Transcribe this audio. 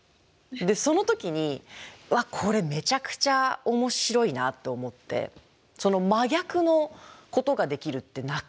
でその時に「わっこれめちゃくちゃ面白いな」と思ってその真逆のことができるってなかなかないじゃないですか。